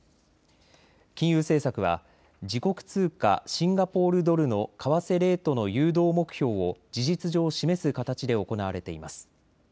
金融政策は自国通貨シンガポールドルの為替レートの誘導目標を事実上示す形で行われています。